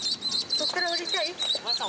ここから下りたい？